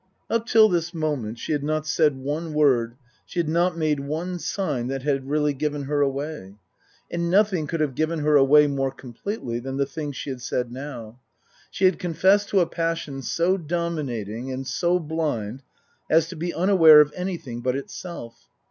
Up till this moment she had not said one word, she had not made one sign, that had really given her away. And nothing could have given her away more completely than the thing she had said now. She had confessed to a passion so dominating and so blind as to be unaware of anything but itself.